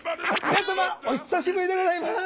皆様お久しぶりでございます！